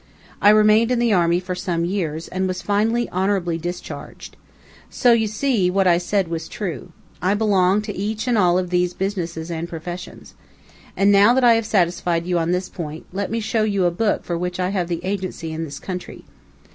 I remained in the army for some years, and was finally honorably discharged. So you see that what I said was true. I belong to each and all of these businesses and professions. And now that I have satisfied you on this point, let me show you a book for which I have the agency in this country."